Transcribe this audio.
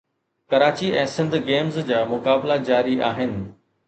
Karachi ۾ Sindh games جا مقابلا جاري آهن